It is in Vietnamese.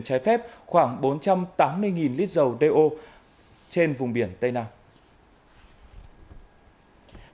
trái phép khoảng bốn trăm tám mươi lít dầu đeo trên vùng biển tây nam